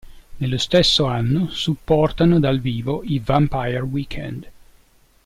Nello stesso anno supportano dal vivo i Vampire Weekend.